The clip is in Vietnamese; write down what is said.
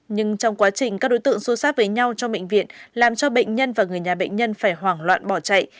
nhưng trong quá trình các đối tượng xô sát với nhau trong bệnh viện làm cho bệnh nhân và người nhà bệnh nhân phải hoảng loạn bỏ chạy